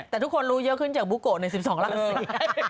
แต่ทุกคนลู้เยอะขึ้นจากบลูโกะใน๑๒ล่าสี